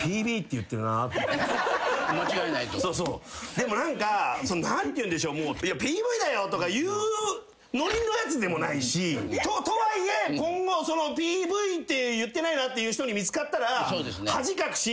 でも何か何ていうんでしょう「いやＰＶだよ」とか言うノリのやつでもないし。とはいえ今後ＰＶって言ってないなっていう人に見つかったら恥かくし。